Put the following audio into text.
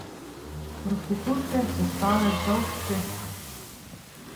Prostitutke so stale vzdolž ceste.